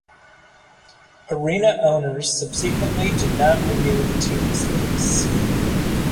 Arena owners subsequently did not renew the team's lease.